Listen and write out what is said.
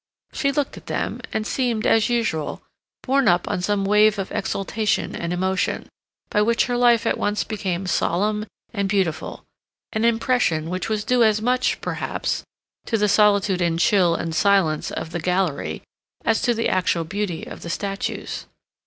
She looked at them, and seemed, as usual, borne up on some wave of exaltation and emotion, by which her life at once became solemn and beautiful—an impression which was due as much, perhaps, to the solitude and chill and silence of the gallery as to the actual beauty of the statues.